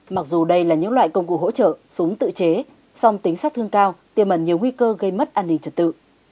mặc dù đây là những loại công cụ hỗ trợ súng tự chế song tính sát thương cao tiềm ẩn nhiều nguy cơ gây mất an ninh trật tự